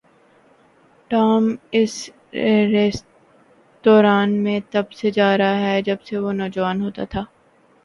Tom اس ریستوران میں تب سے جا رہا ہے جب سے وہ نوجوان ہوتا تھا۔